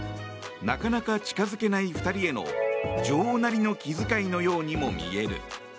なかなか近づけない２人への女王なりの気遣いのようにも見える。